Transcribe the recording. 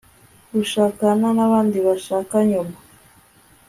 gushakana n'abandi bashaka nyuma